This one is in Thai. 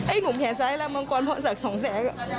หนุ่มแขนซ้ายลำมังกรพรศักดิ์สองแสง